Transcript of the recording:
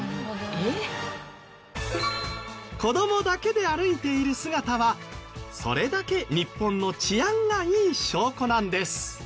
子どもだけで歩いている姿はそれだけ日本の治安がいい証拠なんです。